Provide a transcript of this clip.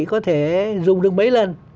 có thể dùng được mấy lần